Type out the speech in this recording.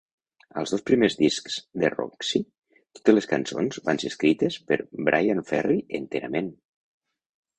Als dos primers discs de Roxy, totes les cançons van ser escrites per Bryan Ferry enterament.